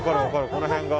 この辺が。